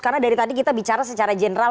karena dari tadi kita bicara secara general